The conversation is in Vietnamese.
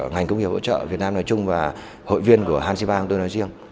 ngành công nghiệp hỗ trợ việt nam nói chung và hội viên của hà chí ba tôi nói riêng